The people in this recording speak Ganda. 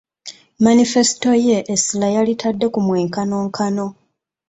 Manifesito ye essira yalitadde ku mwenkanonkano.